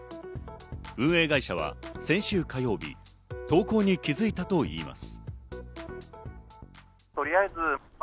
運営会社は先週火曜日、投稿に気づいたといいます。